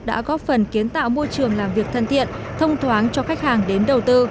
đã góp phần kiến tạo môi trường làm việc thân thiện thông thoáng cho khách hàng đến đầu tư